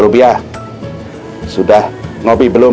mereka partisipasi menggunakan ud dua belas tersebut